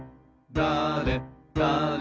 だれだれ！